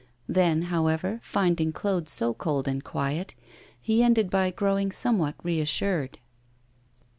Then, however, finding Claude so cold and quiet, he ended by growing somewhat reassured.